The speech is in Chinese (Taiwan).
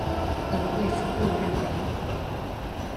而衛福部認為